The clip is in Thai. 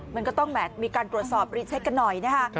มันก็ต้องมีการตรวจสอบหาวิทยาลัยให้กันหน่อยนะคะ